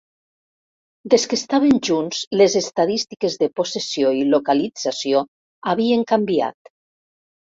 Des que estaven junts les estadístiques de possessió i localització havien canviat.